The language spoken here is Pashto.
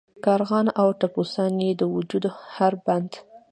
کارغان او ټپوسان یې د وجود هر بند.